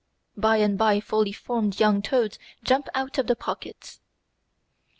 By and by fully formed young toads jump out of the pockets.